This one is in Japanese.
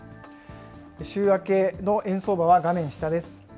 週明けの円相場は画面下です。